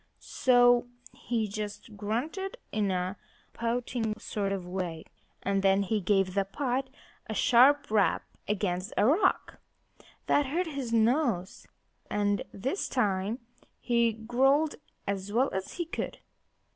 So he just grunted in a pouting sort of way; and then he gave the pot a sharp rap against a rock. That hurt his nose. And this time he growled as well as he could.